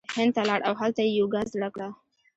هند ته لاړ او هلته یی یوګا زړه کړه